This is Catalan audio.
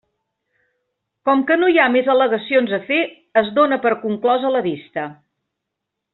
Com que no hi ha més al·legacions a fer, es dóna per conclosa la vista.